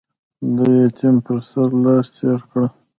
د يتيم پر سر لاس تېر کړه.